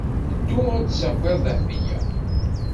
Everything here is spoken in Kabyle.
Ddu ad d-tessakiḍ Dahbiya.